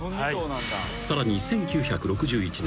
［さらに１９６１年］